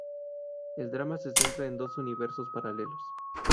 El drama se centra en dos universos paralelos.